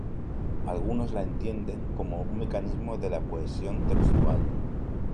Algunos la entienden como un mecanismo de la cohesión textual.